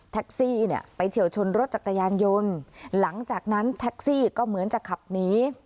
แท็กซี่เนี่ยไปเฉียวชนรถจักรยานยนต์หลังจากนั้นแท็กซี่ก็เหมือนจะขับหนี